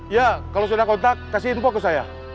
ya kalau sudah kontak kasih info ke saya